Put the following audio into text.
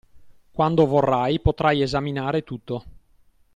Quando vorrai, potrai esaminare tutto.